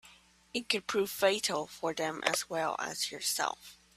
It could prove fatal for them as well as yourself.